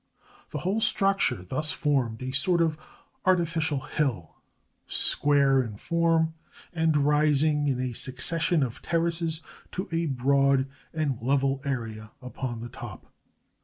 The whole structure thus formed a sort of artificial hill, square in form, and rising, in a succession of terraces, to a broad and level area upon the top.